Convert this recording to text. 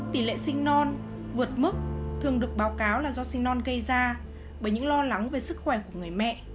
tỷ lệ sinh non vượt mức thường được báo cáo là do sinh non gây ra bởi những lo lắng về sức khỏe của người mẹ